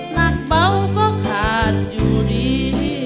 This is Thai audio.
หนักเบาก็ขาดอยู่ดี